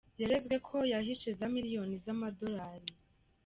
Yarezwe ko yahishe za miliyoni z’amadolari.